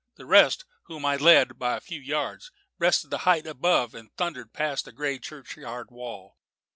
The rest, whom I led by a few yards, breasted the height above and thundered past the grey churchyard wall.